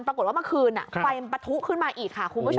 ปรากฏว่าเมื่อคืนไฟมันปะทุขึ้นมาอีกค่ะคุณผู้ชม